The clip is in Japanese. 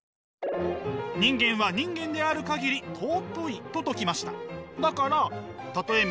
人間は人間である限り尊いと説きました。